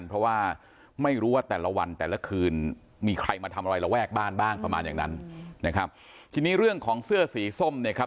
ระแวกบ้านบ้างประมาณอย่างนั้นนะครับทีนี้เรื่องของเสื้อสีส้มเนี่ยครับ